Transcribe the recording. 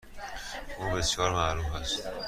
او بسیار معروف است.